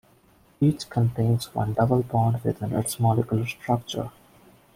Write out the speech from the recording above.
Each contains one double bond within its molecular structure.